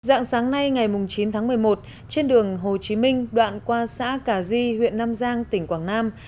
dạng sáng nay ngày chín tháng một mươi một trên đường hồ chí minh đoạn qua xã cả di huyện nam giang tỉnh quảng nam